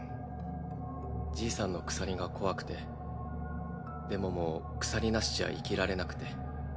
じいさんの鎖が怖くてでももう鎖なしじゃ生きられなくて。